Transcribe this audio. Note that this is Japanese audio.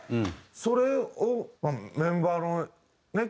それをメンバーのね